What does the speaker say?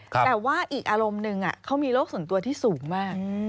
แต่ว่าอีกอารมณ์หนึ่งเขามีโรคส่วนตัวที่สูงมาก